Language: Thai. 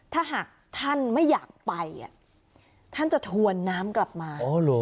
ถ้าหากท่านไม่อยากไปท่านจะถวนน้ำกลับมา